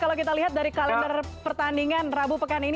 kalau kita lihat dari kalender pertandingan rabu pekan ini